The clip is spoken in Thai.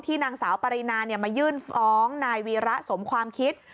นางสาวปรินามายื่นฟ้องนายวีระสมความคิด